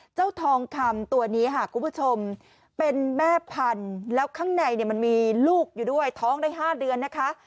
ทองคำตัวนี้ค่ะคุณผู้ชมเป็นแม่พันธุ์แล้วข้างในมันมีลูกอยู่ด้วยท้องได้๕เดือนนะคะ